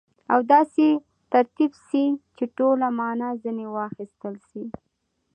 او داسي ترتیب سي، چي ټوله مانا ځني واخستل سي.